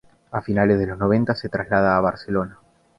A finales de los noventa se traslada a Barcelona.